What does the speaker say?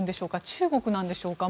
中国なんでしょうか。